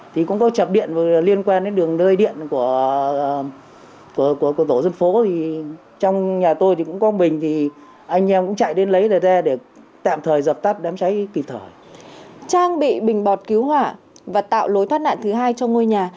trang bị bình bọt cứu hỏa và tạo lối thoát nạn thứ hai cho ngôi nhà